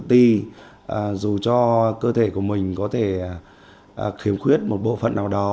tự ti dù cho cơ thể của mình có thể khiếm khuyết một bộ phận nào đó